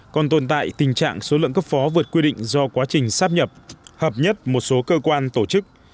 còn tồn tại tình trạng số lượng cấp phó vượt quy định do quá trình sắp nhập hợp nhất một số cơ quan tổ chức